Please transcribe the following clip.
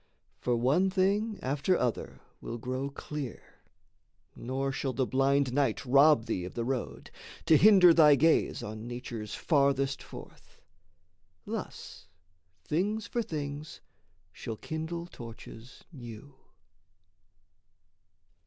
For one thing after other will grow clear, Nor shall the blind night rob thee of the road, To hinder thy gaze on nature's Farthest forth. Thus things for things shall kindle torches new.